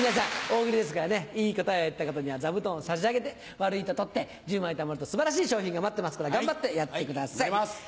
大喜利ですからねいい答えを言った方には座布団を差し上げて悪いと取って１０枚たまると素晴らしい賞品が待ってますから頑張ってやってください。